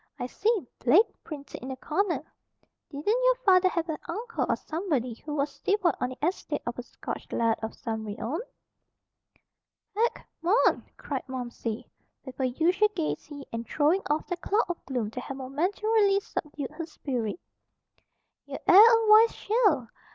I see 'Blake' printed in the corner. Didn't your father have an uncle or somebody, who was steward on the estate of a Scotch Laird of some renown?" "Heck, mon!" cried Momsey, with her usual gaiety, and throwing off the cloud of gloom that had momentarily subdued her spirit. "Ye air a wise cheil.